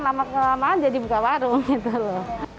lama kelamaan jadi buka warung